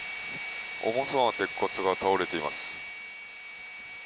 重そうな鉄骨が倒れています。